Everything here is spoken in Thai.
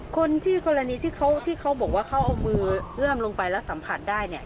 คนที่กรณีที่เขาที่เขาบอกว่าเขาเอามือเอื้อมลงไปแล้วสัมผัสได้เนี่ย